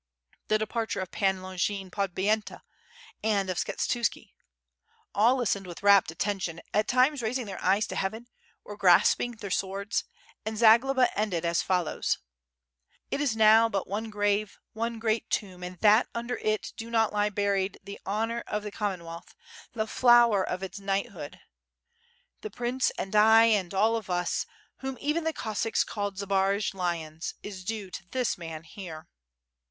... the departure of Pan Longin Podbipyenta and of Skshetuski .... All lis tened with rapt attention, at times raising their eyes to heaven, or grasping their swords, and Zagloba ended as fol lows: 8 14 ^777/ FIRE AND SWOKD. ^*It is now but one grave, one great tamb, and that under it do not lie buried the honor of the Commonwealth, the flower of its knighthood, the prince, and I, and all of us, whom even the Cossacks called Zbaraj lions, is due to this man here!''